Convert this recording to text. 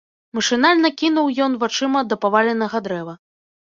Машынальна кінуў ён вачыма да паваленага дрэва.